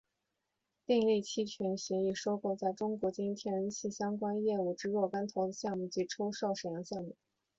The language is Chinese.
订立期权协议收购在中国经营天然气相关业务之若干投资项目及出售沈阳项目。